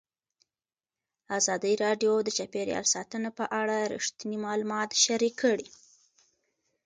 ازادي راډیو د چاپیریال ساتنه په اړه رښتیني معلومات شریک کړي.